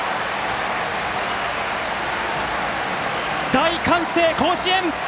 大歓声、甲子園！